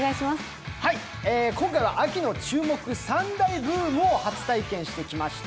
今回は秋の注目３大ブームを初体験してきました。